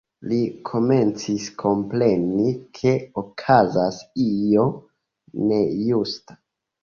Li komencis kompreni, ke okazas io nejusta.